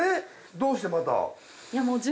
どうしてまた。